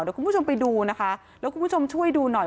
เดี๋ยวคุณผู้ชมไปดูนะคะแล้วคุณผู้ชมช่วยดูหน่อย